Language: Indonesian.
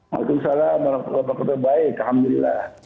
waalaikumsalam apa kabar baik alhamdulillah